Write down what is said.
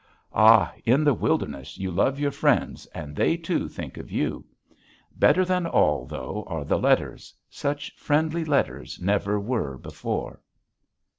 Ah, in the wilderness you love your friends and they too think of you. Better than all, though, are the letters; such friendly letters never were before.